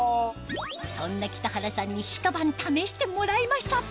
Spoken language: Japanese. そんな北原さんにひと晩試してもらいました